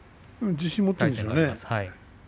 自信を持っているんでしょうね。